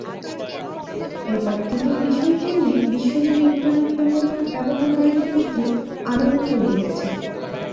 এরপর থেকেই বিষয়টি নিয়ে বিশ্বজুড়ে ইন্টারনেট ব্যবহারকারীদের মধ্যে আলোড়ন তৈরি হয়েছে।